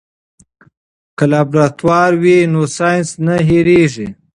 که لابراتوار وي نو ساینس نه هېریږي.